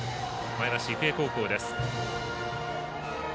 前橋育英高校です。